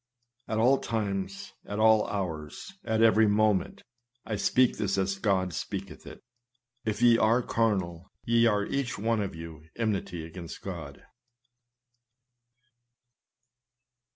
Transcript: At all times, at all hours, at every moment, (I speak this as God speaketh it,) if ye are carnal, ye are each one of you enmity against God.